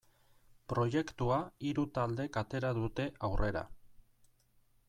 Proiektua hiru taldek atera dute aurrera.